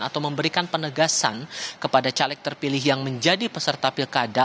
atau memberikan penegasan kepada caleg terpilih yang menjadi peserta pilkada